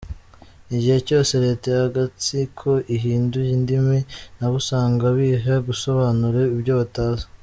Igihe cyose leta y’agatsiko ihinduye indimi nabo usanga biha gusobanura ibyo batazi.